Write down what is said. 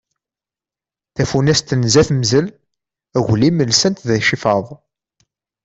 Tafunast tenza temzel, aglim lsan-t d icifaḍ.